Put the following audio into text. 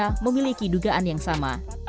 mengatakan bahwa mereka berokok dengan cara yang sama